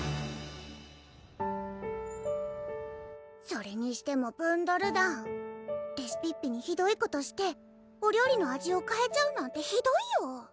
それにしてもブンドル団レシピッピにひどいことしてお料理の味をかえちゃうなんてひどいよ！